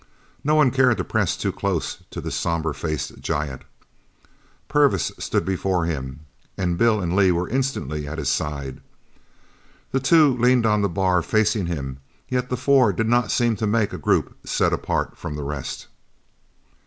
No one cared to press too close to this sombre faced giant. Purvis stood before him and Bill and Lee were instantly at his side. The two leaned on the bar, facing him, yet the four did not seem to make a group set apart from the rest.